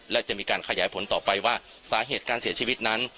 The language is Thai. และจะมีการขยายผลต่อไปว่าสาเหตุการเสียชีวิตนั้น